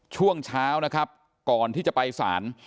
ช่วงเช้านะครับก่อนที่จะไปศาล